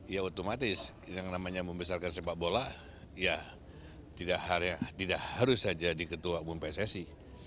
ya otomatis yang namanya membesarkan sepak bola ya tidak harus saja di ketua umum pssi